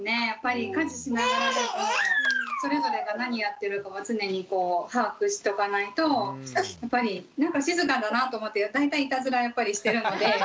やっぱり家事しながらだとそれぞれが何やってるかは常にこう把握しとかないとやっぱりなんか静かだなと思ったら大体いたずらやっぱりしてるので。